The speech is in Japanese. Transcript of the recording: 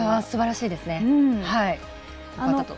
すばらしいですね。